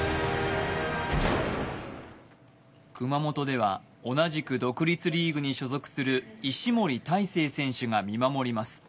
熊本では同じく独立リーグに所属する石森大誠選手が見守ります。